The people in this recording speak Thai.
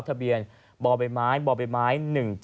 ทะเบียนบอบริไม้๑๗๕๓